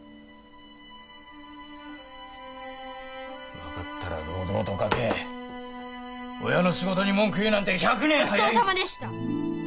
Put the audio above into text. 分かったら堂々と書け親の仕事に文句言うなんて１００年ごちそうさまでした！